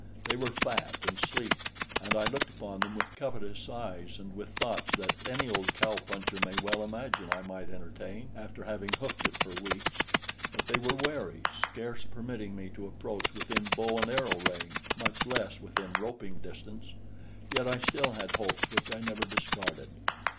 They were fat and sleek, and I looked upon them with covetous eyes and with thoughts that any old cow puncher may well imagine I might entertain after having hoofed it for weeks; but they were wary, scarce permitting me to approach within bow and arrow range, much less within roping distance; yet I still had hopes which I never discarded.